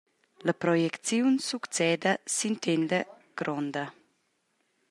La projecziun succeda sin tenda gronda.